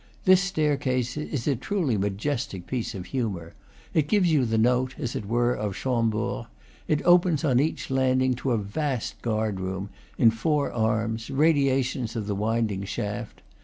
This staircase is a truly majestic piece of humor; it gives you the note, as it were, of Chambord. It opens on each landing to a vast guard room, in four arms, radiations of the winding shaft.